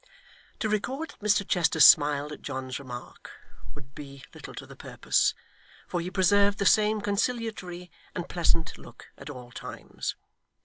To record that Mr Chester smiled at John's remark would be little to the purpose, for he preserved the same conciliatory and pleasant look at all times.